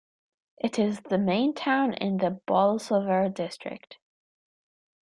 It is the main town in the Bolsover district.